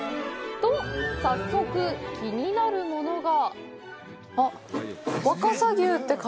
と、早速、気になるものが。